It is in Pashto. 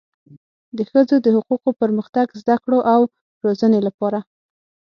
د ښځو د حقوقو، پرمختګ، زده کړو او روزنې لپاره